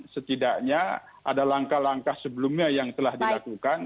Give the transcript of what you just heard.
setidaknya ada langkah langkah sebelumnya yang telah dilakukan